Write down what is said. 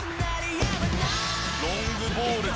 ロングボール